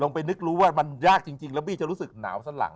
ไปนึกรู้ว่ามันยากจริงแล้วบี้จะรู้สึกหนาวสลั่ง